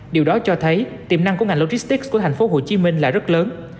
điều đó cho thấy tiềm năng của ngành logistics của tp hcm là rất lớn